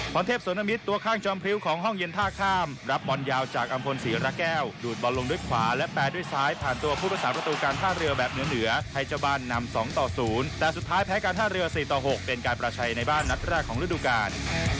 เทพสนมิตรตัวข้างจอมพริ้วของห้องเย็นท่าข้ามรับบอลยาวจากอำพลศรีระแก้วดูดบอลลงด้วยขวาและแปลด้วยซ้ายผ่านตัวผู้รักษาประตูการท่าเรือแบบเหนือให้เจ้าบ้านนำ๒ต่อ๐แต่สุดท้ายแพ้การท่าเรือ๔ต่อ๖เป็นการประชัยในบ้านนัดแรกของฤดูกาล